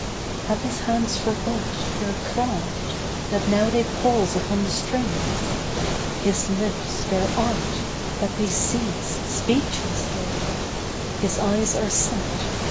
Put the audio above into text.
Have his hands forgot Their craft, that now they pause upon the strings? His lips, their art, that they cease, speechless there? His eyes are set ...